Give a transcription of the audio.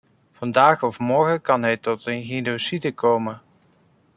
Vandaag of morgen kan het tot een genocide komen.